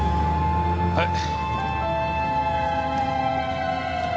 はい。